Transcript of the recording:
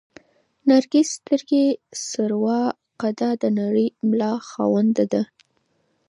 نرګس سترګې، سروه قده، د نرۍ ملا خاونده ده